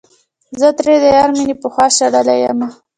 زه ترې د يار مينې پخوا شړلے يمه